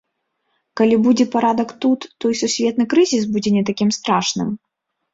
Калі будзе парадак тут, то і сусветны крызіс будзе не такім страшным?